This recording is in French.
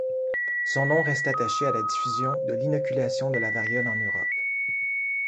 Son nom reste attaché à la diffusion de l'inoculation de la variole en Europe.